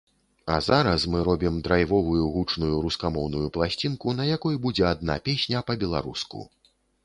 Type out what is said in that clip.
А зараз мы робім драйвовую, гучную рускамоўную пласцінку, на якой будзе адна песня па-беларуску.